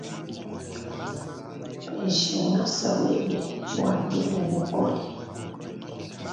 Mpeshe ngasa webe bwa ndwe ne bukole.